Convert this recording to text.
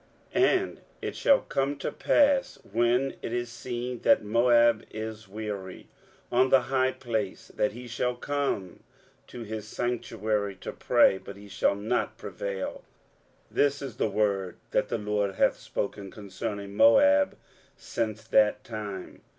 23:016:012 And it shall come to pass, when it is seen that Moab is weary on the high place, that he shall come to his sanctuary to pray; but he shall not prevail. 23:016:013 This is the word that the LORD hath spoken concerning Moab since that time.